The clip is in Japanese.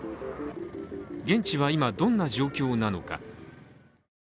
現地は今、どんな状況なのか。